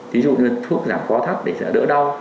ví dụ như thuốc giảm khó thắt để sẽ đỡ đau